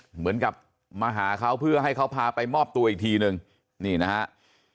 เหมือนกับมาหาเขาเพื่อให้เขาพาไปมอบตัวอีกทีนึงนี่นะครับ